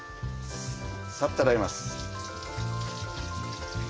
さっと洗います。